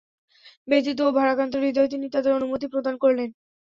ব্যথিত ও ভারাক্রান্ত হৃদয়ে তিনি তাদের অনুমতি প্রদান করলেন।